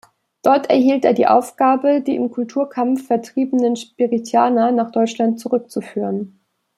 Dort erhielt er die Aufgabe, die im Kulturkampf vertriebenen Spiritaner nach Deutschland zurückzuführen.